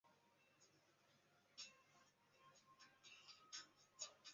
警察搜查家庭和冲刷对周围地区的距离。